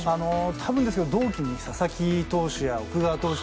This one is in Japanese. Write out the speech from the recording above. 多分ですけど同期の佐々木投手や奥川投手。